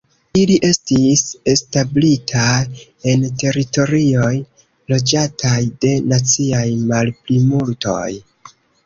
Ili estis establitaj en teritorioj, loĝataj de naciaj malplimultoj.